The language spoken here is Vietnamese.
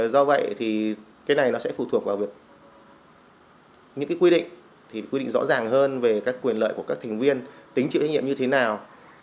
do vậy thì cái này nó sẽ phù thuộc vào những quy định rõ ràng hơn về các quyền lợi của các thành viên tính chịu hữu nhiệm như thế nào